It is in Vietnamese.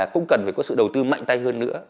cũng cần phải có sự đầu tư mạnh tay hơn nữa